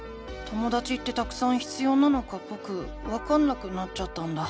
ともだちってたくさん必要なのかぼくわかんなくなっちゃったんだ。